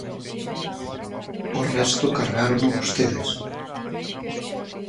¡O resto cargárono vostedes!